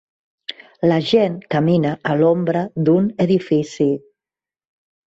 La gent camina a l'ombra d'un edifici.